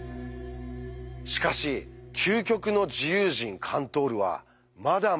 しかし究極の自由人カントールはまだ満足しません。